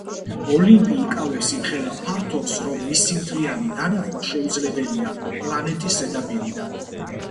ოლიმპი იკავებს იმხელა ფართობს, რომ მისი მთლიანი დანახვა შეუძლებელია პლანეტის ზედაპირიდან.